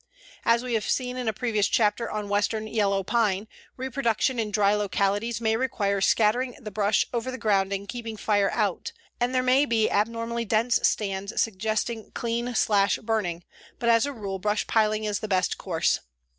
As we have seen in a previous chapter on western yellow pine, reproduction in dry localities may require scattering the brush over the ground and keeping fire out, and there may be abnormally dense stands suggesting clean slash burning, but as a rule brush piling is the best course.